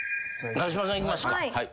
川島さんいきますか。